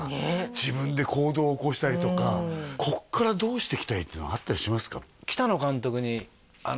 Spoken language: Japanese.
自分で行動起こしたりとかこっからどうしていきたいっていうのはあったりしますか？